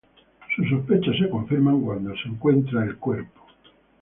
Sus sospechas se confirman cuando su cuerpo es encontrado.